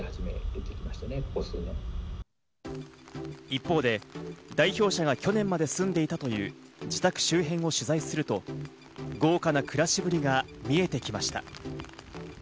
一方で、代表者が去年まで住んでいたという自宅周辺を取材すると、豪華な暮らしぶりが見えてきました。